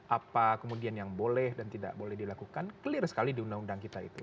apa kemudian yang boleh dan tidak boleh dilakukan clear sekali di undang undang kita itu